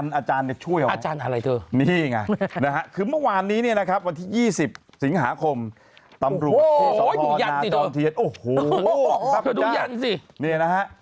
นี่เบลออะไรไว้